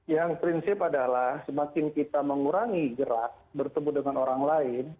yang prinsip adalah semakin kita mengurangi gerak bertemu dengan orang lain